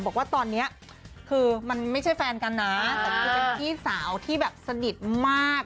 บอกว่าตอนนี้คือมันไม่ใช่แฟนกันนะแต่คือเป็นพี่สาวที่แบบสนิทมาก